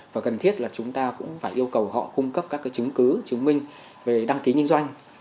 và cần thiết là chúng ta cũng phải yêu cầu họ cung cấp các chứng cứ chứng minh về đăng ký nhân doanh